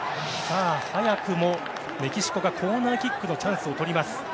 早くもメキシコがコーナーキックのチャンスをとります。